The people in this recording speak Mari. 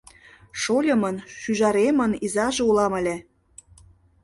Шольымын-шӱжаремын изаже улам ыле.